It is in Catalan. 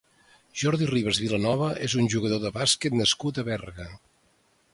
Jordi Ribas Vilanova és un jugador de bàsquet nascut a Berga.